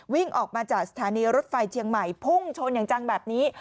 วิ่งออกมาจากสถานีรถไฟเชียงใหม่พุ่งชนอย่างจังแบบนี้